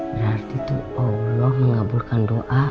berarti tuh allah mengaburkan doa